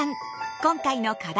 今回の課題